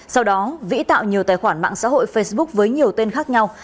sau đó vĩ tạo nhiều tài khoản mạng xã hội facebook với nhiều tên khác nhau